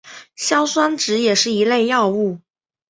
硝酸酯也是一类药物。